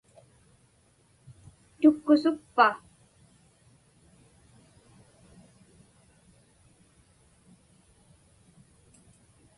Tukkusukpa?